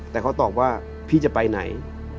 แต่เขาตอบว่าพี่จะไปไหน